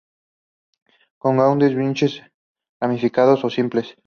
Con caudex hinchado, ramificados o simples.